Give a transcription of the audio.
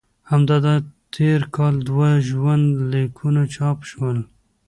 همدا تېر کال دوه ژوند لیکونه چاپ شول.